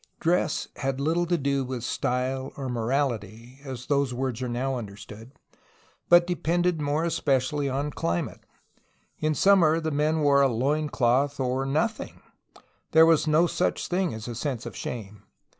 Dress had Httle to do with style or morality, as those words are now understood, but depended more especially on climate. In summer the men wore a loin cloth or nothing; there was no such thing as a sense of shame.